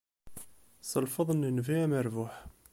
S lfeḍl n Nnbi amerbuḥ.